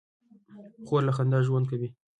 خور له خندا ژوند کوي.